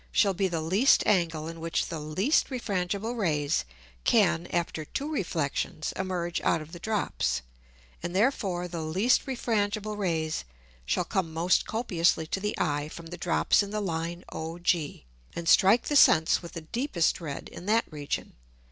shall be the least Angle in which the least refrangible Rays can after two Reflexions emerge out of the Drops, and therefore the least refrangible Rays shall come most copiously to the Eye from the Drops in the Line OG, and strike the Sense with the deepest red in that Region.